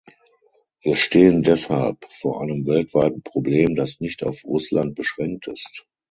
Wir stehen deshalb vor einem weltweiten Problem, das nicht auf Russland beschränkt ist.